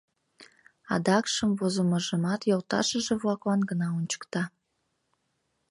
Адакшым возымыжымат йолташыже-влаклан гына ончыкта.